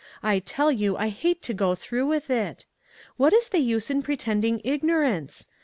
I tell you I hate to go through with it. What is the use in pretending ignorance